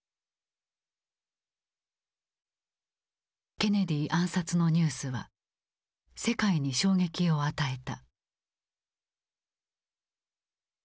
ケネディ暗殺のニュースは世界に衝撃を与えた。